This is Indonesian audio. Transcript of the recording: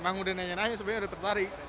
emang udah nanyain aja sebenernya udah tertarik